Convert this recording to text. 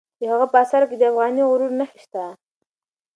د هغه په آثارو کې د افغاني غرور نښې شته.